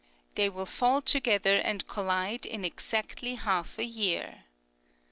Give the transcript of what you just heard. They will fall together and collide in exactly half a year.